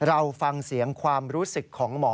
เราฟังเสียงความรู้สึกของหมอ